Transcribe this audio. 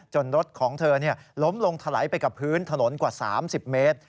รถของเธอล้มลงถลายไปกับพื้นถนนกว่า๓๐เมตร